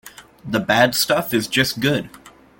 The bad stuff is just good.